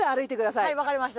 はい分かりました。